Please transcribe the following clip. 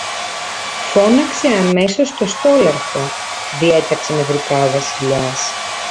Φώναξε αμέσως το στόλαρχο, διέταξε νευρικά ο Βασιλιάς.